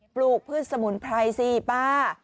ลูกพืชสมุนไพรสิป้า